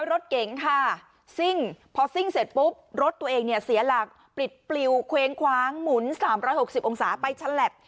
รถเก่งค่ะซิ่งพอซิ่งเสร็จปุ๊บรถตัวเองเนี่ยเสียหลักปิดปลิวเคว้งคว้างหมุนสามร้อยหกสิบองศาไปชั้นแหลด